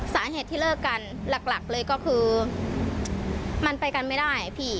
สาเหตุที่เลิกกันหลักเลยก็คือมันไปกันไม่ได้พี่